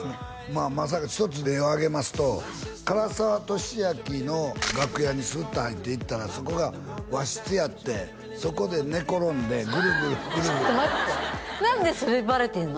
まあ１つ例を挙げますと唐沢寿明の楽屋にスーッと入っていったらそこが和室やってそこで寝転んでグルグルグルグルちょっと待って何でそれバレてんの？